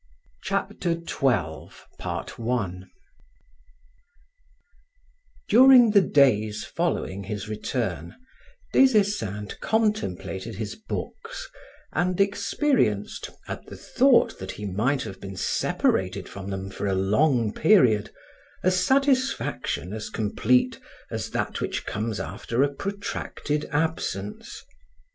Chapter 12 During the days following his return, Des Esseintes contemplated his books and experienced, at the thought that he might have been separated from them for a long period, a satisfaction as complete as that which comes after a protracted absence.